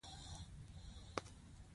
لیکوال به یې کتابونو ته راجع کړي.